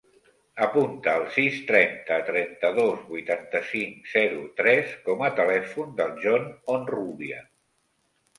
Apunta el sis, trenta, trenta-dos, vuitanta-cinc, zero, tres com a telèfon del Jon Onrubia.